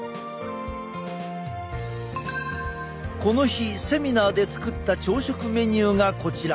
この日セミナーで作った朝食メニューがこちら。